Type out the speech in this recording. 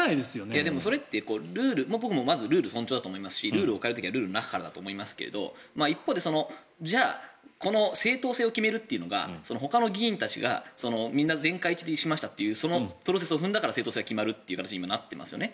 でもそれってルール僕もルール尊重だと思いますしルールを変える時はルールの中からだと思いますが一方でじゃあこの正当性を決めるというのがほかの議員たちがみんな全会一致しましたというそのプロセスを踏んだから正当性が決まるという形に今なっていますよね。